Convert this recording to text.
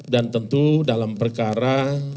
dan tentu dalam perkara